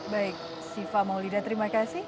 baik siva maulida terima kasih